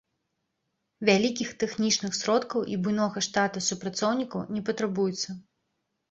Вялікіх тэхнічных сродкаў і буйнога штата супрацоўнікаў не патрабуецца.